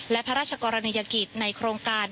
และพระราชกรณียกิจในโครงการ